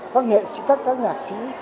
các nghệ sĩ các các nhạc sĩ